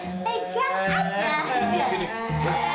tuh tukang tukang dokternya datang